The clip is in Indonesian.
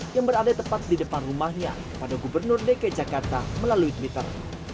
yang berada tepat di depan rumahnya pada gubernur dki jakarta melalui twitter